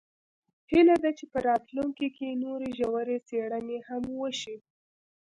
هیله ده چې په راتلونکي کې نورې ژورې څیړنې هم وشي